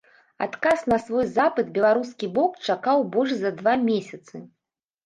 Адказ на свой запыт беларускі бок чакаў больш за два месяцы.